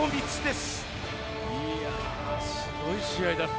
すごい試合だった。